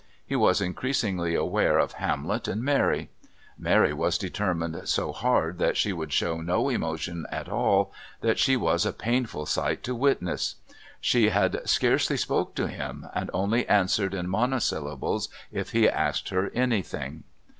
He was increasingly aware of Hamlet and Mary. Mary was determined so hard that she would show no emotion at all that she was a painful sight to witness. She scarcely spoke to him, and only answered in monosyllables if he asked her something.